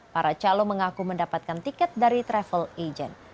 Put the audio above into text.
para calon mengaku mendapatkan tiket dari travel agent